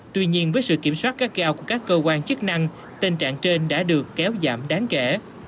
tuy nhiên với sự kiểm soát các cao của các cơ quan chức năng tình trạng trên đã được kéo giảm đáng kể